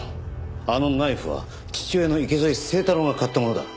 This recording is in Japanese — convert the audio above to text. あのナイフは父親の池添清太郎が買ったものだ。